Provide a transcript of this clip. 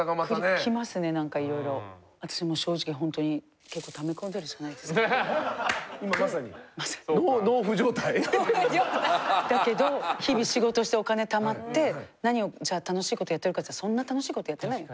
私もう正直ほんとにだけど日々仕事してお金貯まって何を楽しいことやってるかっていったらそんな楽しいことやってないよ。